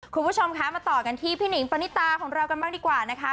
คุณผู้ชมคะมาต่อกันที่พี่หนิงปณิตาของเรากันบ้างดีกว่านะคะ